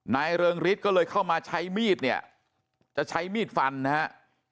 เริงฤทธิ์ก็เลยเข้ามาใช้มีดเนี่ยจะใช้มีดฟันนะฮะ